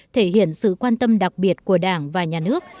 thể hiện sự quan tâm đặc biệt của đảng và nhà nước